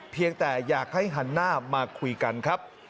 เพียงแต่อยากให้หันหน้ามาคุยกันครับ